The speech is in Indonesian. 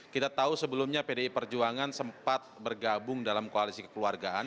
kita tahu sebelumnya pdi perjuangan sempat bergabung dalam koalisi kekeluargaan